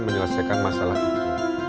menyelesaikan masalah itu